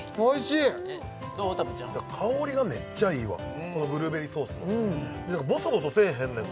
いや香りがめっちゃいいわこのブルーベリーソースのボソボソせえへんねん